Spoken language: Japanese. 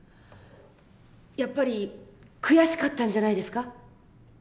やっぱり悔しかったんじゃないですか？